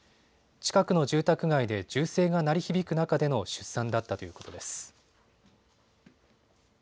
近くの住宅街で銃声が鳴り響く中での出産だったということです。